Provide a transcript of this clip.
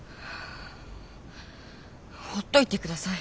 ほっといてください。